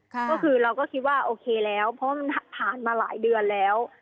ก็คือเราก็คิดว่าโอเคแล้วเพราะว่ามันผ่านมาหลายเดือนแล้ว